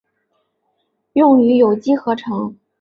用于有机合成。